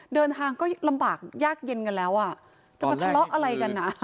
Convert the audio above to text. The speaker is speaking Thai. เดินทางก็ลำบากยากเย็นกันแล้วอ่ะจะมาทะเลาะอะไรกันอ่ะ